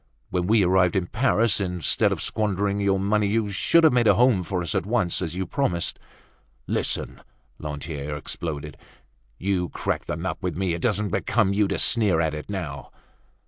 When we arrived in Paris, instead of squandering your money, you should have made a home for us at once, as you promised." "Listen!" Lantier exploded. "You cracked the nut with me; it doesn't become you to sneer at it now!"